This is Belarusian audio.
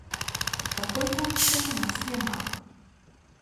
Такой функцыі ў нас няма.